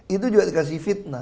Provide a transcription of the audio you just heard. itu juga dikasih fitnah